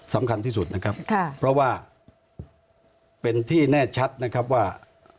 สำคัญที่สุดเพราะว่าเป็นที่แน่ชัดว่า